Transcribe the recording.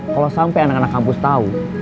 kalo sampe anak anak kampus tau